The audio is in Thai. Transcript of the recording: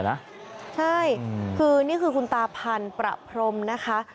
ใช่คือนี่คือคุณตาพันธุ์ประพรมนะคะ